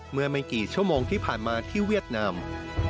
เมื่อไม่กี่ชั่วโมงที่ผ่านมาที่เวียดนาม